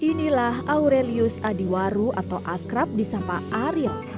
inilah aurelius adiwaru atau akrab di sapa ariel